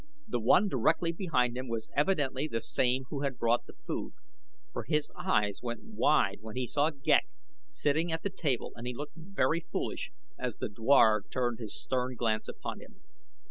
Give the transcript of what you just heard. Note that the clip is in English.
The one directly behind him was evidently the same who had brought the food, for his eyes went wide when he saw Ghek sitting at the table and he looked very foolish as the dwar turned his stern glance upon him.